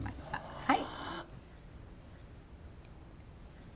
はい。